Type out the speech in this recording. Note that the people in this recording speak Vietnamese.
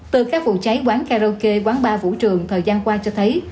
từ các vụ cháy quán karaoke quán bar vũ trường thời gian qua cho thấy